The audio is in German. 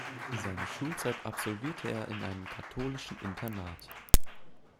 Seine Schulzeit absolvierte er in einem katholischen Internat.